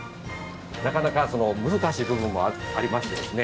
なかなか難しい部分もありましてですね。